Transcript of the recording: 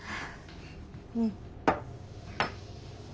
うん。